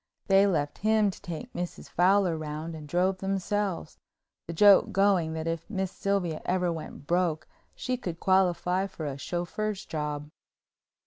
They left him to take Mrs. Fowler round and drove themselves, the joke going that if Miss Sylvia ever went broke she could qualify for a chauffeur's job.